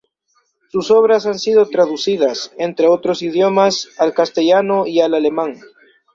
Sus obras han sido traducidas, entre otros idiomas, al castellano y al alemán.